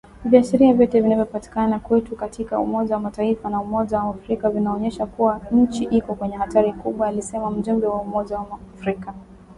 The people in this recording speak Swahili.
Viashiria vyote vinavyopatikana kwetu katika umoja wa Mataifa na Umoja wa Afrika vinaonyesha kuwa nchi iko kwenye hatari kubwa alisema mjumbe wa Umoja wa Afrika